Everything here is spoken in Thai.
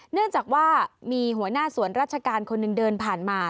เนื่องจากว่ามีหัวหน้าสวนราชการคนหนึ่งเดินผ่านมา